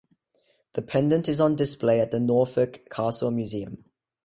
The pendant is on display at the Norfolk Castle Museum.